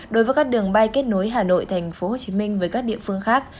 đối với các đường bay kết nối hà nội tp hcm với các địa phương khác